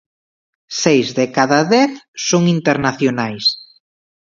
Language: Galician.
Seis de cada dez son internacionais.